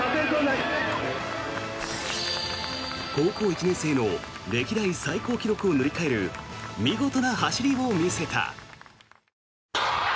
高校１年生の歴代最高記録を塗り替える見事な走りを見せた。